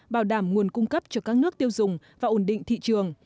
bảo đảm nguồn cung cấp cho các nước tiêu dùng và ổn định thị trường